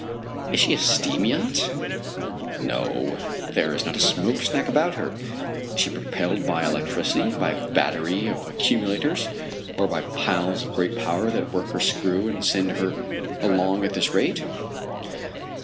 Is she a steam yacht? No there is not a smokestack about her. Is she propelled by electricity by a battery of accumulators, or by piles of great power that work her screw and send her along at this rate?